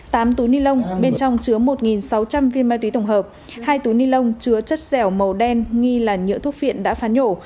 tám túi ni lông bên trong chứa một sáu trăm linh viên ma túy tổng hợp hai túi ni lông chứa chất dẻo màu đen nghi là nhựa thuốc phiện đã phán nhổ